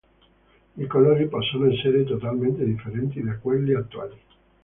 I colori possono essere totalmente differenti da quelli attuali.